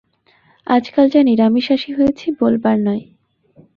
আজকাল যা নিরামিষাশী হয়েছি, বলবার নয়।